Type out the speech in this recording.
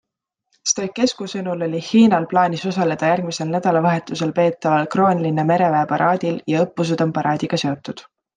Stoicescu sõnul oli Hiinal plaanis osaleda järgmisel nädalavahetusel peetaval Kroonlinna mereväeparaadil ja õppused on paraadiga seotud.